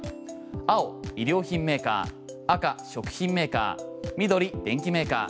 青、衣料品メーカー赤、食品メーカー緑、電機メーカー。